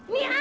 nih anak ya